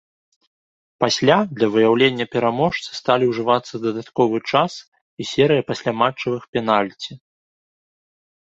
Пасля для выяўлення пераможца сталі ўжывацца дадатковы час і серыя пасляматчавых пенальці.